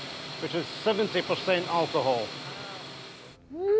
うん！